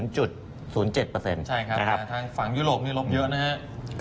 ใช่ครับทางฝั่งยุโรปนี่ลบเยอะนะครับ